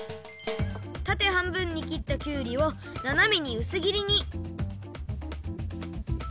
たてはんぶんにきったきゅうりをななめにうすぎりに。